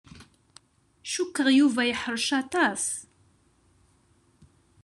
Cikkeɣ Yuba yeḥṛec aṭas.